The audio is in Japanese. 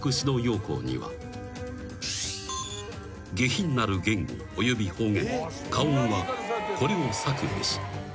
［「下品なる言語および方言訛音はこれを避くべし」］